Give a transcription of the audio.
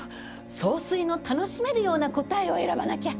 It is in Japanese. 総帥の楽しめるような答えを選ばなきゃ！